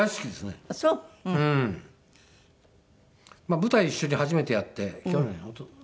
舞台一緒に初めてやって去年かな？